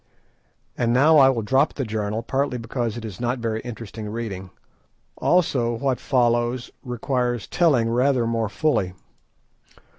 And now I will drop the journal, partly because it is not very interesting reading; also what follows requires telling rather more fully.